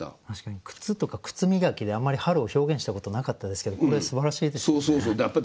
確かに靴とか靴磨きであんまり春を表現したことなかったですけどこれすばらしいですよね。